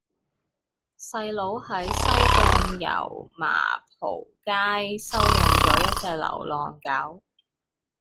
細佬喺西貢油麻莆街收養左一隻流浪狗